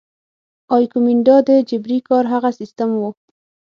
ایکومینډا د جبري کار هغه سیستم وو.